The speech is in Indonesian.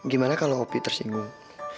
gimana kalau opi tersinggung